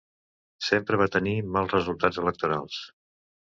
Sempre va tenir mals resultats electorals.